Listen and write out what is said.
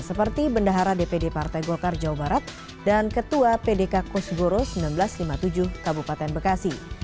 seperti bendahara dpd partai golkar jawa barat dan ketua pdk kosgoro seribu sembilan ratus lima puluh tujuh kabupaten bekasi